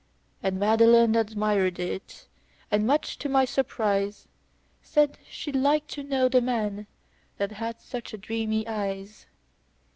And Madeline admired it, and much to my surprise, Said she'd like to know the man that had such dreamy eyes.